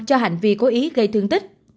cho hành vi cố ý gây thương tích